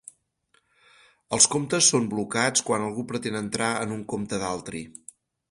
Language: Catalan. Els comptes són blocats quan algú pretén entrar en un compte d’altri.